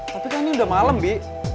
tapi kan ini udah malam bi